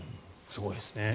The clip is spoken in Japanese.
すごいですね。